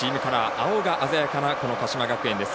青が鮮やかなこの鹿島学園です。